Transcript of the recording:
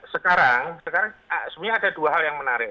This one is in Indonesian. sekarang sebenarnya ada dua hal yang menarik